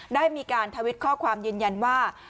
ได้มีการทวิตข้อความยืนยันว่า